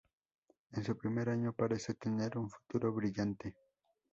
En su primer año, parece tener un futuro brillante.